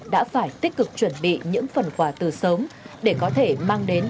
đã phải tích cực chuẩn bị những phần quà từ sớm để có thể mang đến